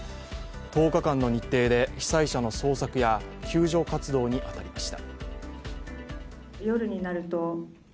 １０日間の日程で被災者の捜索や救助活動に当たりました。